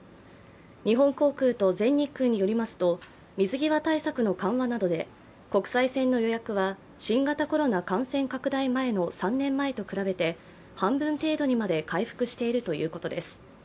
日本航空と全日空によりますと水際対策の緩和などで国際線の予約は新型コロナ感染拡大前の３年前と比べて半分程度にまで回復しているということです。